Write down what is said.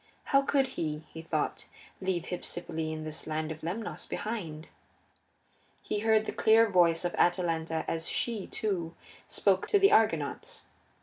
How could he, he thought, leave Hypsipyle and this land of Lemnos behind? He heard the clear voice of Atalanta as she, too, spoke to the Argonauts.